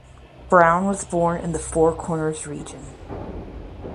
Brown was born in the Four Corners region.